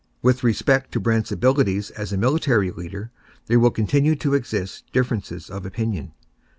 With respect to Brant's abilities as a military leader, there will continue to exist differences of opinion.